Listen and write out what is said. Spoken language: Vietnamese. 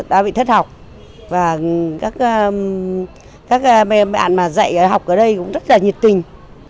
đã bị thất học và các bạn mà dạy học ở đây cũng rất là nhiệt tình